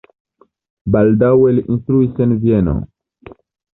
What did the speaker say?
Baldaŭe li instruis en Vieno.